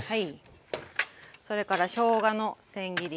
それからしょうがのせん切り。